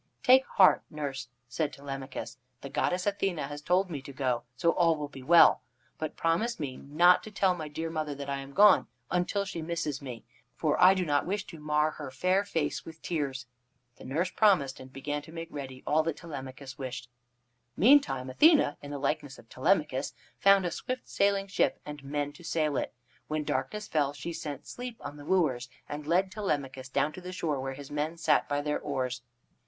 "Take heart, nurse," said Telemachus. "The goddess Athene has told me to go, so all will be well. But promise me not to tell my dear mother that I am gone until she misses me. For I do not wish to mar her fair face with tears." The nurse promised, and began to make ready all that Telemachus wished. Meantime Athene, in the likeness of Telemachus, found a swift sailing ship, and men to sail it. When darkness fell, she sent sleep on the wooers and led Telemachus down to the shore where his men sat by their oars.